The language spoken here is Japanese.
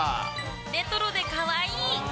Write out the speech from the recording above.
レトロでかわいい。